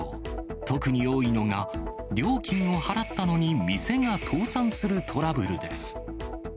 特に多いのが、料金を払ったのに店が倒産するトラブルです。